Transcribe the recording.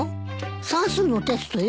算数のテストよ。